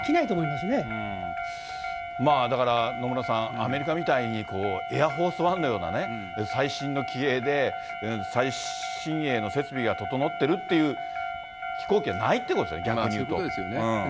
まあだから、野村さん、アメリカみたいにエアフォース・ワンのような、最新の、最新鋭の設備が整ってるっていう飛行機はないってことですね、逆そういうことですよね。